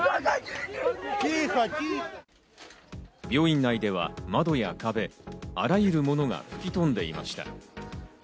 病院内では窓や壁、あらゆるものが吹き飛んでいました。